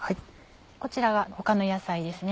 こちらは他の野菜ですね。